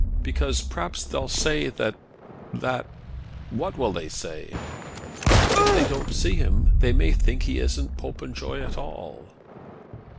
"Because, perhaps they'll say that that " "What will they say?" "If they don't see him, they may think he isn't Popenjoy at all."